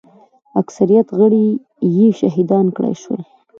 اکثریت غړي یې شهیدان کړای شول.